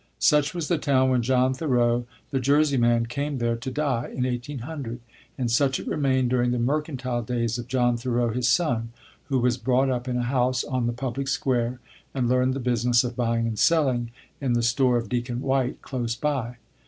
Such was the town when John Thoreau, the Jerseyman, came there to die in 1800, and such it remained during the mercantile days of John Thoreau, his son, who was brought up in a house on the public square, and learned the business of buying and selling in the store of Deacon White, close by.